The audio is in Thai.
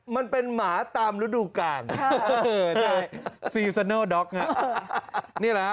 มันเป็นหมาตามฤดูกาลค่ะเออใช่นี่แหละครับ